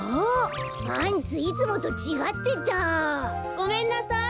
ごめんなさい。